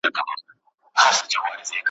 په حقیقت کې د یوه ملت